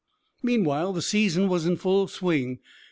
Meanwhile the season was in full swing.